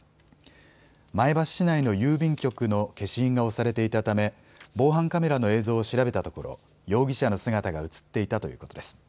前橋市内の郵便局の消印が押されていたため防犯カメラの映像を調べたところ容疑者の姿が写っていたということです。